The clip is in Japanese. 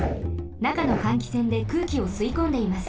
なかの換気扇で空気をすいこんでいます。